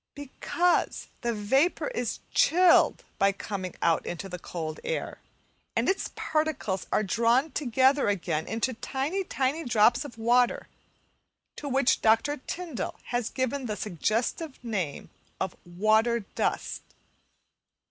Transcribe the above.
Because the vapour is chilled by coming out into the cold air, and its particles are drawn together again into tiny, tiny drops of water, to which Dr. Tyndall has given the suggestive name of water dust.